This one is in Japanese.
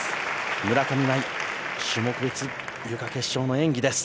村上茉愛種目別ゆか決勝の演技です。